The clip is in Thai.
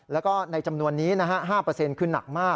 แล้วก็ในจำนวนนี้๕คือหนักมาก